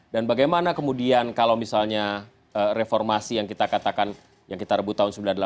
dan bagaimana kemudian kalau misalnya reformasi yang kita katakan yang kita rebut tahun sembilan puluh delapan itu dilanjutkan